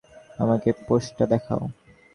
আমাকে পোস্টটা দেখাও।